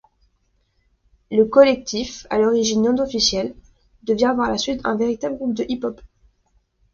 Le collectif, à l'origine non-officiel, devient par la suite un véritable groupe de hip-hop.